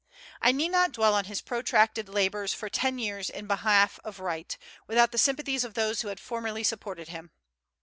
I need not dwell on his protracted labors for ten years in behalf of right, without the sympathies of those who had formerly supported him.